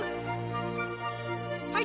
はい！